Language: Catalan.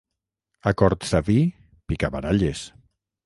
A Cortsaví, picabaralles.